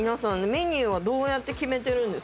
メニューはどうやって決めてるんですか？